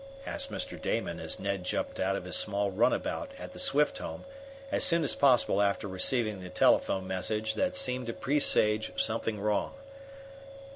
asked Mr. Damon, as Ned jumped out of his small runabout at the Swift home as soon as possible after receiving the telephone message that seemed to presage something wrong.